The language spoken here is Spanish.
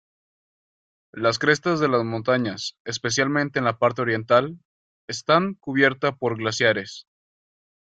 Las crestas de las montañas, especialmente en la parte oriental, están cubierta por glaciares.